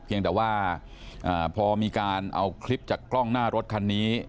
เพียงแต่ว่าพอมีการเอาคลิปจากกล้องหน้ารถคันนี้